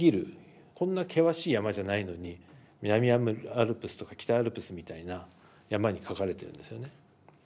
こんな険しい山じゃないのに南アルプスとか北アルプスみたいな山にかかれてるんですよね。